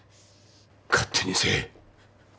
勝手にせえ。